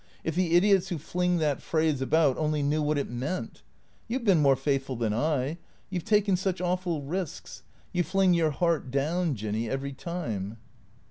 If the idiots who fling that phrase about only knew what it meant ! You 've been more faithful than I. You 've taken such awful risks. You fling your heart down. Jinny, every time."